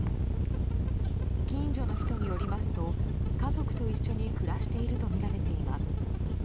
近所の人によりますと家族と一緒に暮らしているとみられています。